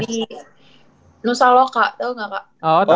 di nusa loka tau gak kak